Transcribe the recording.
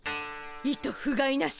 いとふがいなし。